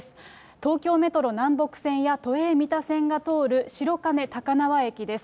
東京メトロ南北線や都営三田線が通る白金高輪駅です。